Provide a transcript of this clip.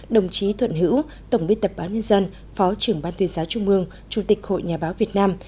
đồng chí thuận hữu tổng biên tập báo nhân dân phó trưởng ban tuyên giáo trung mương chủ tịch hội nhà báo việt nam